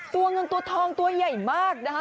ตัวเงินตัวทองตัวใหญ่มากนะคะ